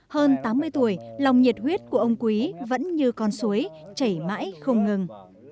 hơn tám mươi tuổi lòng nhiệt huyết của ông quý vẫn như con suối chảy mãi không ngừng